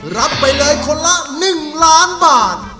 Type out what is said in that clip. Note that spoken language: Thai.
รับไปเลยคนละ๑ล้านบาท